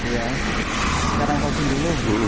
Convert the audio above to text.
sekarang vaksin dulu